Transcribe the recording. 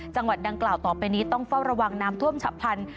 จังหวัดดังกล่าวต่อไปนี้ต้องเฝ้าระวังน้ำท่วมฉับพลัน